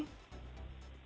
jauh hari sebelum ini